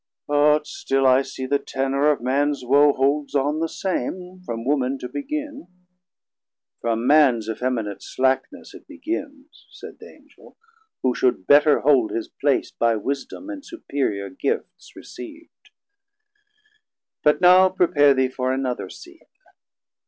But still I see the tenor of Mans woe Holds on the same, from Woman to begin. From Mans effeminate slackness it begins, 630 Said th' Angel, who should better hold his place By wisdome, and superiour gifts receavd. But now prepare thee for another Scene.